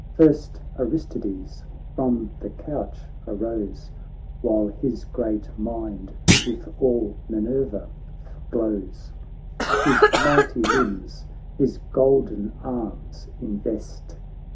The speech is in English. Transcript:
First Aristides from the couch arose, While his great mind with all Minerva glows ; His mighty limbs his golden arms invest.